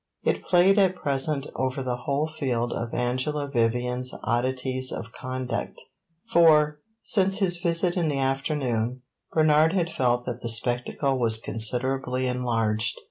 It played at present over the whole field of Angela Vivian's oddities of conduct for, since his visit in the afternoon, Bernard had felt that the spectacle was considerably enlarged.